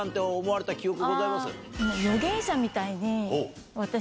預言者みたいに。